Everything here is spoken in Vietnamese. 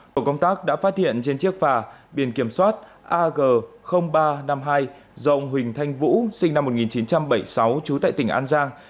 tổ công tác đã phát hiện trên chiếc phà biển kiểm soát ag ba trăm năm mươi hai dòng huỳnh thanh vũ sinh năm một nghìn chín trăm bảy mươi sáu trú tại tỉnh an giang